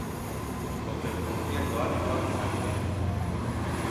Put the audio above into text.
Kontzertu guztiak doanekoak izango dira.